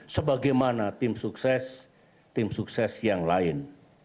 sebagaimana tim sukses tim sukses yang lain